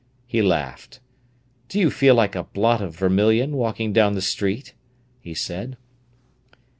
He laughed. "Do you feel like a blot of vermilion walking down the street?" he said.